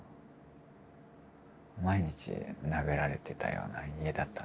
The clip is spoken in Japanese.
毎日殴られてたような家だったんですね。